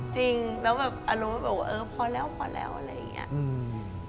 จริงแล้วแบบอารมณ์แบบพอแล้วอะไรอย่างนี้